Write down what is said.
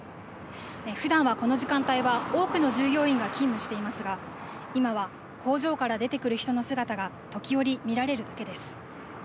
ふだんはこの時間帯は多くの従業員が勤務していますが今は工場から出てくる人の姿が時折、見られるだけです。